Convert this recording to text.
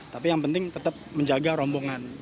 tapi yang penting tetap menjaga rombongan